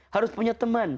harus punya teman